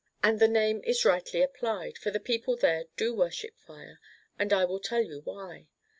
And the name is rightly applied, for the people there do worship fire, and I will tell you why.